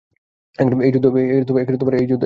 এই যুদ্ধ হচ্ছে ব্যবসা।